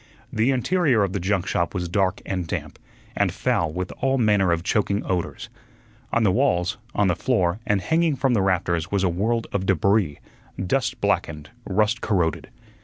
The interior of the junk shop was dark and damp, and foul with all manner of choking odors. On the walls, on the floor, and hanging from the rafters was a world of debris, dust blackened, rust corroded.